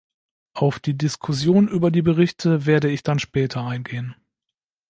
Auf die Diskussion über die Berichte werde ich dann später eingehen.